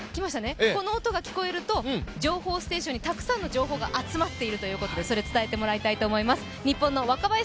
この音が聞こえると情報ステーションにたくさんの情報が集まっているということでそれ、伝えてもらいたいと思います